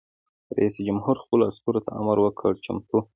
رئیس جمهور خپلو عسکرو ته امر وکړ؛ چمتو!